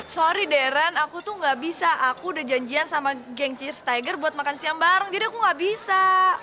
sorry deran aku tuh gak bisa aku udah janjian sama geng cheer stigger buat makan siang bareng jadi aku gak bisa